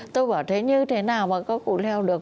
tôi bảo thế như thế nào mà các cụ leo được